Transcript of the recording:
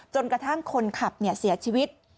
จนกระทั่งคนขับเสียชีวิต